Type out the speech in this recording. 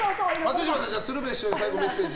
松嶋さん、鶴瓶師匠に最後、メッセージ。